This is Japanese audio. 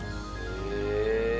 へえ。